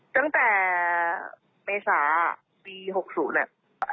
ตั้งแต่เมษาปี๖๐แหละ